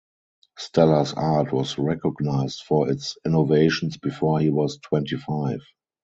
Stella's art was recognized for its innovations before he was twenty-five.